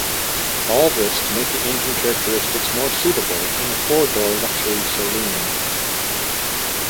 All this to make the engine characteristics more suitable in a four-door luxury saloon.